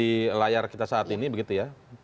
di layar kita saat ini begitu ya